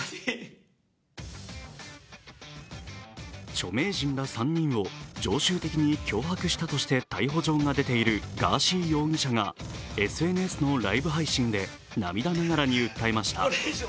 著名人ら３人を常習的に脅迫したとして逮捕状が出ているガーシー容疑者がＳＮＳのライブ配信で涙ながらに訴えました。